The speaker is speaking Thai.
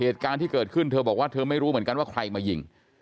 เธอบอกว่าเธอไม่รู้เหมือนกันว่าใครมายิง